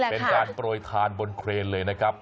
เป็นการโปรยทานบนเครนเลยนะครับ